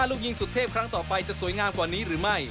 ลูกยิงสุดเทพครั้งต่อไปจะสวยงามกว่านี้หรือไม่